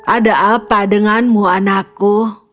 ada apa denganmu anakku